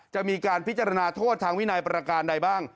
จะมีการพิจารณาโทษทางวินัยประการใดบ้าง